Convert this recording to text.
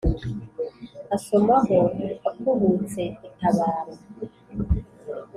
asomaho akubutse itabaro !